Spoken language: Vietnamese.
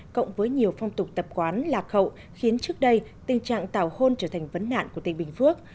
cộng với nhiều phong tục tập quán lạc hậu khiến trước đây tình trạng tảo hôn trở thành vấn nạn của tỉnh bình phước